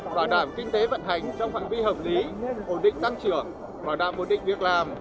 bảo đảm kinh tế vận hành trong phạm vi hợp lý ổn định tăng trưởng bảo đảm ổn định việc làm